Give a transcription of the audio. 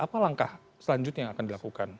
apa langkah selanjutnya yang akan dilakukan